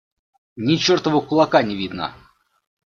Ни чертова кулака не видно.